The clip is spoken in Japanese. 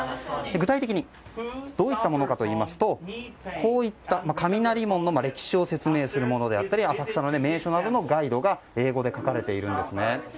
具体的にどういったものかというとこういった雷門の歴史を説明するものだったり浅草の名所などのガイドが英語で書かれているんですね。